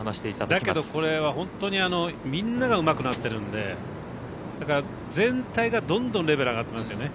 だけど、これは本当にみんながうまくなってるんでだから、全体がどんどんレベル上がってますよね。